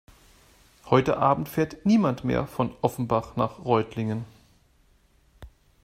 Heute Abend fährt niemand mehr von Offenbach nach Reutlingen